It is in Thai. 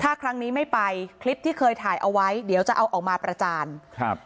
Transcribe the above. ถ้าครั้งนี้ไม่ไปคลิปที่เคยถ่ายเอาไว้เดี๋ยวจะเอาออกมาประจานครับ